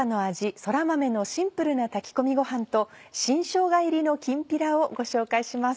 そら豆のシンプルな炊き込みごはんと新しょうが入りのきんぴらをご紹介します。